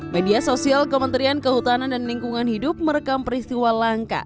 media sosial kementerian kehutanan dan lingkungan hidup merekam peristiwa langka